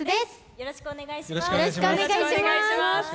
よろしくお願いします。